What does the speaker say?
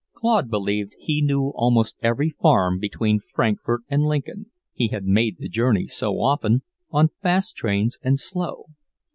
Claude believed he knew almost every farm between Frankfort and Lincoln, he had made the journey so often, on fast trains and slow.